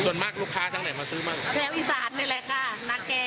ส่วนมากลูกค้าทั้งไหนมาซื้อบ้างแถวอีสานนี่แหละค่ะนาแก่